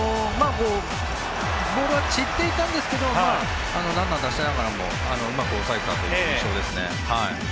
ボールは散っていたんですけどランナーを出しながらもうまく抑えたという印象ですね。